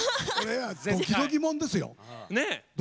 ドキドキもんですよ。